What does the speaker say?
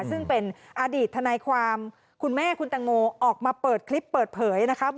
ซึ่งเป็นอดีตทนายความคุณแม่คุณตังโมออกมาเปิดคลิปเปิดเผยนะครับ